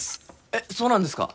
えっそうなんですか？